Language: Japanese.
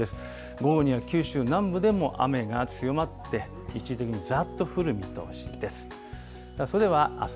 午後には、九州南部でも雨が強まって、一時的にざーっと降る見通しです。